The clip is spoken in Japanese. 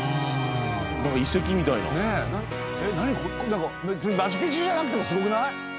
なんか別にマチュピチュじゃなくてもすごくない？